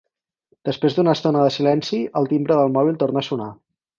Després d'una estona de silenci el timbre del mòbil torna a sonar.